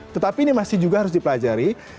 tetapi ini masih juga harus dipelajari